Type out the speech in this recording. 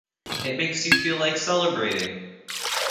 It makes you feel like celebrating.